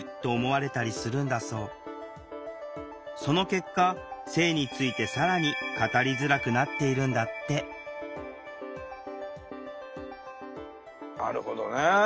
その結果性について更に語りづらくなっているんだってなるほどね。